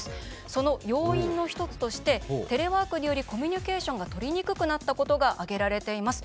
その要因の１つとしてテレワークによりコミュニケーションがとりにくくなったことが挙げられています。